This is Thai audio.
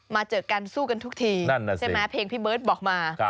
เจอกันสู้กันทุกทีใช่ไหมเพลงพี่เบิร์ตบอกมา